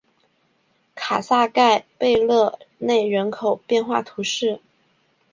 卡萨盖贝戈内人口变化图示